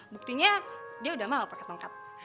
buktinya dia udah malu pake tongkat